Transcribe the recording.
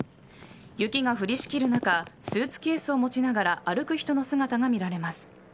雪が降りしきる中スーツケースを持ちながら歩く人の姿が見られます。